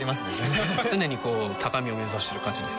全然常にこう高みを目指してる感じですか